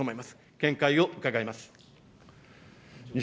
見解を伺います。